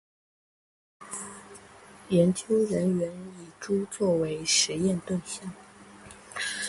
研究人员以猪作为实验对象